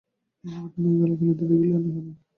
আমাকে তুমি এ খেলা খেলিতে দিলে কেন।